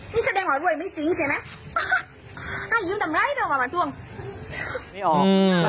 นี่แสดงอ่ะรวยไม่จริงใช่ไหมให้ยืมต่ำไร้ต่อมาท่วง